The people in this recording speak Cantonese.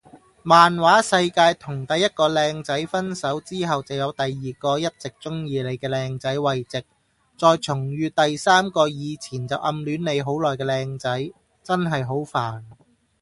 漫畫世界同第一個靚仔分手之後就有第二個一直鍾意你嘅靚仔慰藉再重遇第三個以前就暗戀你好耐嘅靚仔，真係好煩